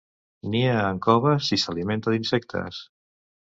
Nia en coves i s'alimenta d'insectes.